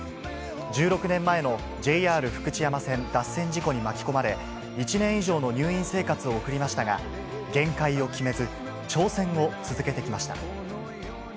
１６年前のＪＲ福知山線脱線事故に巻き込まれ、１年以上の入院生活を送りましたが、限界を決めず、挑戦を続けてきました。